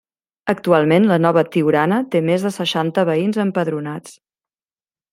Actualment la nova Tiurana té més de seixanta veïns empadronats.